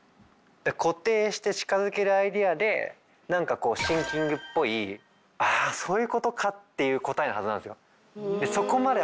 固定して近づけるアイデアで何か「シン・キング」っぽい「ああそういうことか！」っていう答えなはずなんですよ。